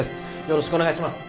よろしくお願いします